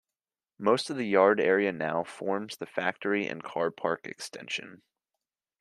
Most of the yard area now forms the factory and car park extension.